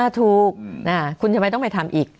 ถูกคุณทำไมต้องไปทำอีก